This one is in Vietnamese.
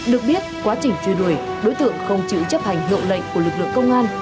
được biết quá trình truy đuổi đối tượng không chữ chấp hành lộ lệnh của lực lượng công an